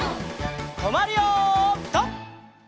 とまるよピタ！